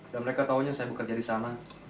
dan mereka tahunya saya bekerja di sana